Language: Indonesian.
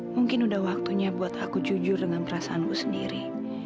mungkin udah waktunya buat aku jujur dengan perasaanku sendiri